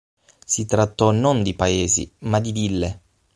Si trattò non di paesi, ma di ville.